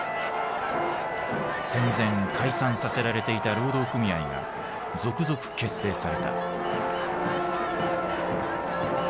戦前解散させられていた労働組合が続々結成された。